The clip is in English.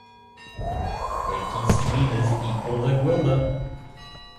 Twenty stuivers equalled a guilder.